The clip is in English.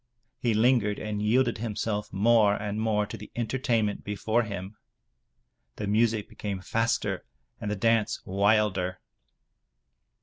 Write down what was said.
He lingered and yielded himself more and more to the entertainment before him. The music became faster and the dance wilder.